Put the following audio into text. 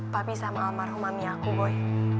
papi sama almarhum mami aku boy